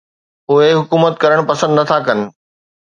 اهي حڪومت ڪرڻ پسند نٿا ڪن.